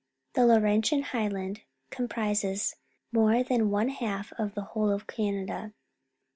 The Laurentian Highland comprises more than one half of the whole of Canada.